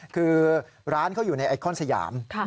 คือร้านเขาอยู่ในไอคอนสยาม